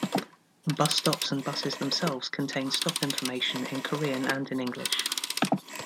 Bus stops and buses themselves contain stop information in Korean and in English.